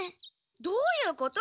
どういうこと？